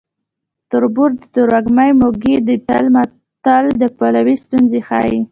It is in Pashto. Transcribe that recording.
تربور د ترږمې موږی دی متل د خپلوۍ ستونزې ښيي